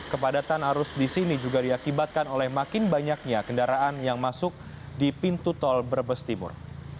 kepadatan arus di sini juga diakibatkan oleh makin banyaknya kendaraan yang masuk di pintu tol brebes timur